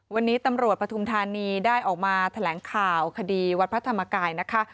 วันนี้ตำรวจปฐุมธานีได้ออกมาแถลงข่าวคดีวัดพระธรรมกายนะคะ